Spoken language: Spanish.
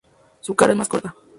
Su cara es más corta.